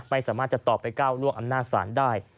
ไม่สามารถจะตอบไปก้าวล่วงอำนาจศาลได้